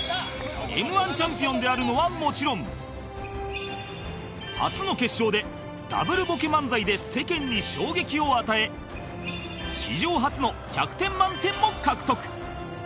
Ｍ−１ チャンピオンであるのはもちろん初の決勝で Ｗ ボケ漫才で世間に衝撃を与え史上初の１００点満点も獲得